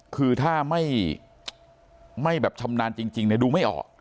คือถ้าไม่แบบชำนาญจริงดูไม่ออก